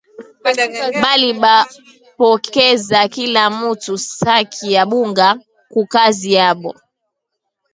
Bali bapokeza kila mutu saki ya bunga ku kazi yabo